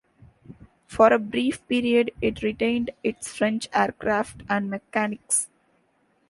For a brief period it retained its French aircraft and mechanics.